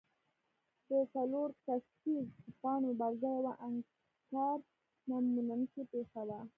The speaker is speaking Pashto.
د څلور کسیز بانډ مبارزه یوه انکار نه منونکې پېښه وه.